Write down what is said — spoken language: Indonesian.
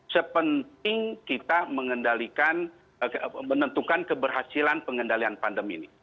sepenting kita menentukan keberhasilan pengendalian pandemi ini